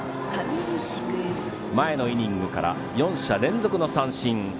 前のイニングから４者連続の三振。